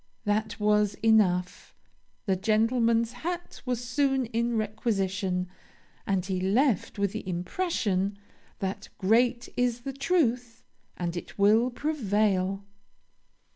That was enough. The gentleman's hat was soon in requisition, and he left with the impression that 'great is the truth, and it will prevail.'